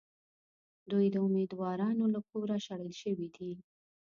دوی د اُمیدوارانو له کوره شړل شوي دي.